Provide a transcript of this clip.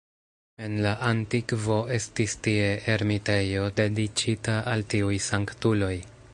En la antikvo estis tie ermitejo dediĉita al tiuj sanktuloj.